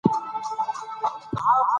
سرمایه او مال د شرافت معیار ګڼل اصل نه دئ.